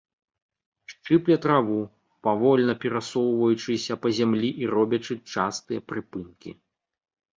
Шчыпле траву, павольна перасоўваючыся па зямлі і робячы частыя прыпынкі.